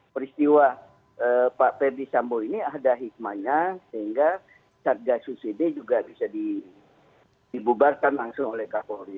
peristiwa pak ferdisambo ini ada hikmahnya sehingga sergasus merah putih juga bisa dibubarkan langsung oleh kapolri